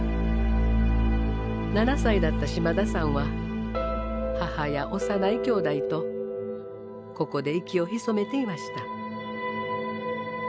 ７歳だった島田さんは母や幼いきょうだいとここで息を潜めていました。